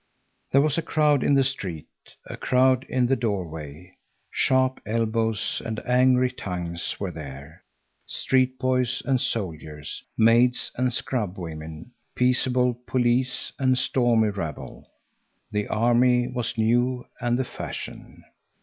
There was a crowd in the street, a crowd in the door way. Sharp elbows and angry tongues were there; street boys and soldiers, maids and scrub women; peaceable police and stormy rabble. The army was new and the fashion.